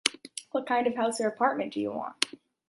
What kind of house or apartment do you want?